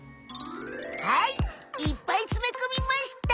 はいいっぱいつめこみました。